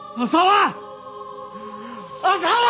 浅輪！